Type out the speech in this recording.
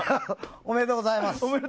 おめでとうございます。